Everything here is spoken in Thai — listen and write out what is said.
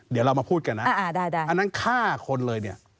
เดี๋ยวเรามาพูดกันนะอันนั้นฆ่าคนเลยเนี่ย